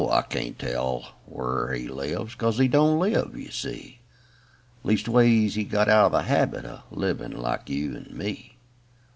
I can't tell whar he lives, Because he don't live, you see; Leastways, he's got out of the hahit Of livin' like you and me.